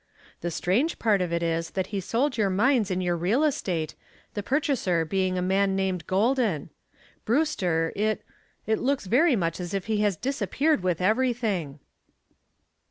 The strange part of it is that he sold your mines and your real estate, the purchaser being a man named Golden. Brewster, it it looks very much as if he had disappeared with everything."